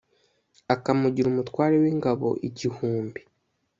akamugira umutware w’ingabo igihumbi